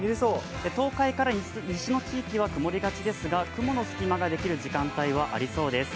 東海から西の地域は曇りそうですが雲の隙間ができる時間帯はありそうです。